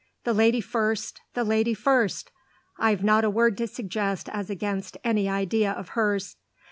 "The lady first the lady first! I've not a word to suggest as against any idea of hers."